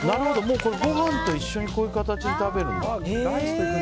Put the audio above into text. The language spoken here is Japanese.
もう、これ、ご飯と一緒にこういう形で食べるんだ。